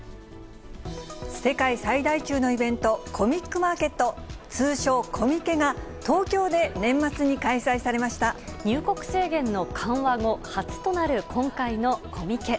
世界最大級のイベント、コミックマーケット、通称、コミケが、入国制限の緩和後、初となる今回のコミケ。